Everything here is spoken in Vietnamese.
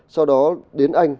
sau đó đến anh